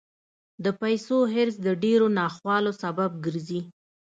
د پیسو حرص د ډېرو ناخوالو سبب ګرځي.